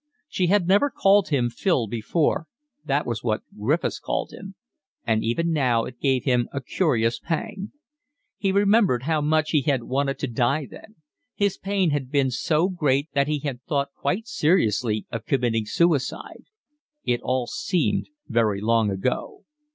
She had never called him Phil before, that was what Griffiths called him; and even now it gave him a curious pang. He remembered how much he had wanted to die then; his pain had been so great that he had thought quite seriously of committing suicide. It all seemed very long ago.